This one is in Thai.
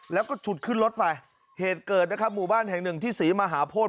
แล้วก็ฉุดขึ้นรถไปเหตุเกิดนะครับหมู่บ้านแห่งหนึ่งที่ศรีมหาโพธิ